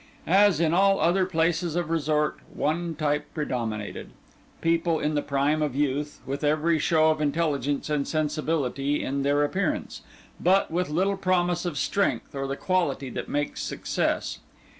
As in all other places of resort, one type predominated: people in the prime of youth, with every show of intelligence and sensibility in their appearance, but with little promise of strength or the quality that makes success.